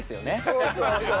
そうそうそう。